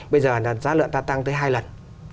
bây giờ giá lượng ta tăng tới hai lần